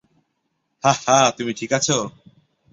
হা-না, তুমি ঠিক আছ?